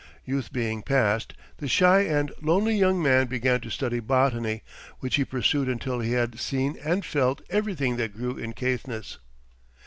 Youth being past, the shy and lonely young man began to study botany, which he pursued until he had seen and felt everything that grew in Caithness.